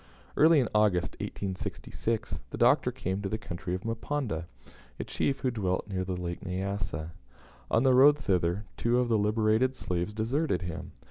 Early in August, 1866, the Doctor came to the country of Mponda, a chief who dwelt near the Lake Nyassa. On the road thither, two of the liberated slaves deserted him.